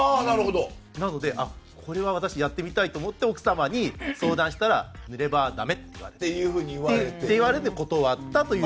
なので、これは私やってみたいと思って奥様に相談したら濡れ場はだめって言われて断ったという。